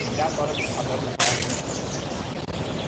Σκυλιά τώρα και στα σαλόνια θα έχομε;